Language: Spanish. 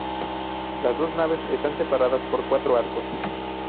Las dos naves están separadas por cuatro arcos.